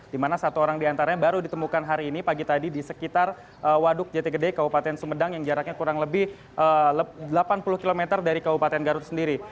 di mana satu orang diantaranya baru ditemukan hari ini pagi tadi di sekitar waduk jati gede kabupaten sumedang yang jaraknya kurang lebih delapan puluh km dari kabupaten garut sendiri